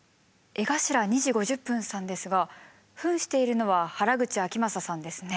江頭２：５０さんですがふんしているのは原口あきまささんですね。